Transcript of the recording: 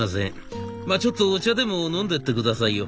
まあちょっとお茶でも飲んでってくださいよ。